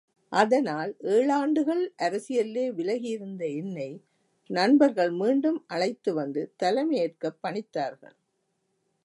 அதனால் ஏழாண்டுகள் அரசியலிலே விலகியிருந்த என்னை, நண்பர்கள் மீண்டும் அழைத்துவந்து தலைமை ஏற்கப் பணித்தார்கள்.